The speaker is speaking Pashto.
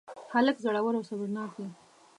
هلک زړور او صبرناک دی.